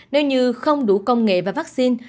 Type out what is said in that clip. nếu như không đủ công nghệ và vaccine